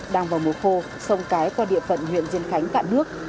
đang vào mùa khô sông cái qua địa phận huyện diên khánh cạn nước